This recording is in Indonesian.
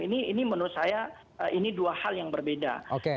ini menurut saya ini dua hal yang berbeda